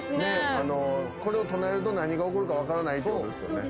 これを唱えると何が起こるか分からないっていうことですよね。